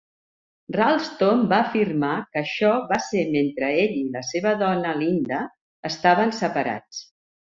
Ralston va afirmar que això va ser mentre ell i la seva dona Linda estaven separats.